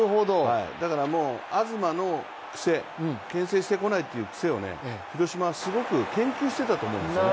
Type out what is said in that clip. だから、東のけん制してこないという癖を広島はすごく研究していたと思うんですよね。